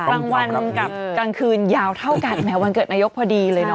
กลางวันกับกลางคืนยาวเท่ากันแม้วันเกิดนายกพอดีเลยเนอ